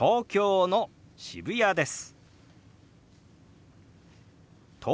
東京の渋谷です。